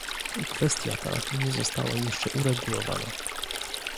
Kwestia ta nie została jeszcze uregulowana